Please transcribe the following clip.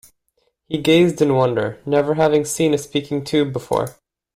He gazed in wonder, never having seen a speaking-tube before.